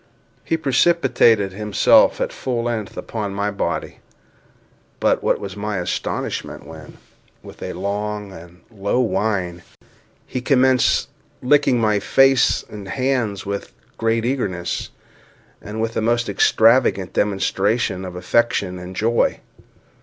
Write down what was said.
He precipitated himself at full length upon my body; but what was my astonishment, when, with a long and low whine, he commenced licking my face and hands with the greatest eagerness, and with the most extravagant demonstration of affection and joy!